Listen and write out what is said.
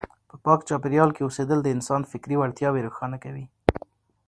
په پاک چاپیریال کې اوسېدل د انسان فکري وړتیاوې روښانه کوي.